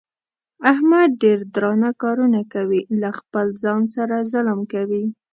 احمد ډېر درانه کارونه کوي. له خپل ځان سره ظلم کوي.